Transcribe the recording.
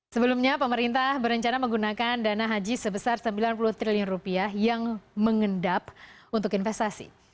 sebelumnya pemerintah berencana menggunakan dana haji sebesar sembilan puluh triliun rupiah yang mengendap untuk investasi